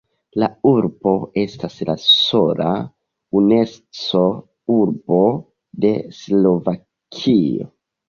La urbo estas la sola „Unesco-urbo“ de Slovakio.